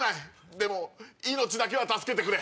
でも命だけは助けてくれ。